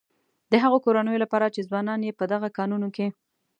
د هغه کورنيو لپاره چې ځوانان يې په دغه کانونو کې.